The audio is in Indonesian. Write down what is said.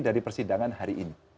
dari persidangan hari ini